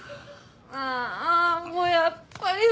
ああもうやっぱり浮気か。